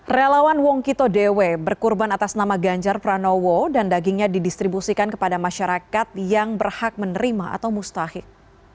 relawan wong kito dewi berkurban atas nama ganjar pranowo dan dagingnya didistribusikan kepada masyarakat yang berhak menerima atau mustahil